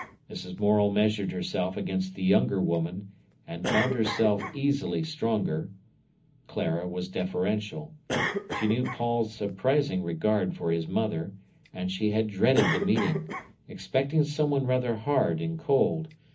Mrs. Morel measured herself against the younger woman, and found herself easily stronger. Clara was deferential. She knew Paul's surprising regard for his mother, and she had dreaded the meeting, expecting someone rather hard and cold.